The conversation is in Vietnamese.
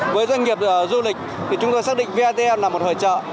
với doanh nghiệp du lịch chúng tôi xác định vitm là một hợp trợ